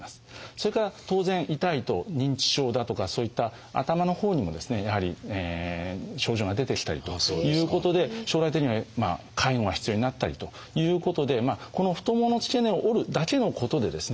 それから当然痛いと認知症だとかそういった頭のほうにもですねやはり症状が出てきたりということで将来的には介護が必要になったりということでこの太ももの付け根を折るだけのことでですね